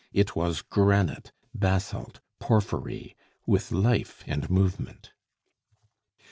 It was granite, basalt, porphyry, with life and movement.